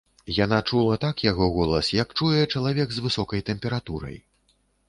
Яна чула так яго голас, як чуе чалавек з высокай тэмпературай.